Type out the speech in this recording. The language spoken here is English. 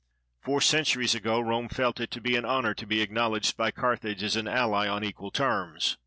Four centuries ago Rome felt it to be an honor to be acknowledged by Carthage as an ally on equal terms.